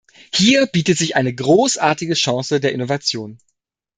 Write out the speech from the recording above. Hier bietet sich eine großartige Chance der Innovation.